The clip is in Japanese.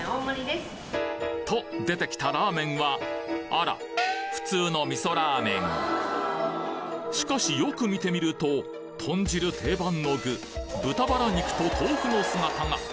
と出てきたラーメンはあら普通の味噌ラーメンしかしよく見てみるととん汁定番の具豚バラ肉と豆腐の姿が！